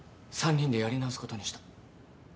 ３人でやり直すことにした。